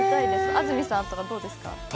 安住さんとかどうですか？